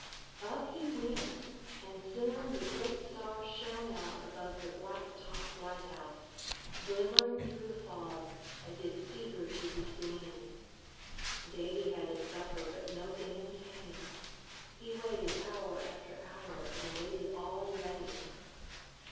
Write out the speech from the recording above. Up he went, and soon the great star shone out above the black topped light house, glimmering through the fog, as if eager to be seen. Davy had his supper, but no Dan came. He waited hour after hour, and waited all in vain.